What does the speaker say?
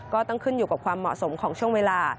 ก็ต้องขึ้นอยู่กับความเหมาะสมของช่วงเวลา